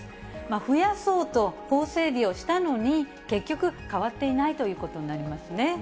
増やそうと法整備をしたのに、結局変わっていないということになりますね。